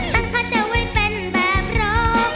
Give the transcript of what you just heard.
ตั้งค่าจะไว้เป็นแบบเรา